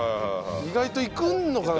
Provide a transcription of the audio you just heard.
意外といくのかな？